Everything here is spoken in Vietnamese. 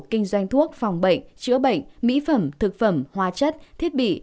kinh doanh thuốc phòng bệnh chữa bệnh mỹ phẩm thực phẩm hóa chất thiết bị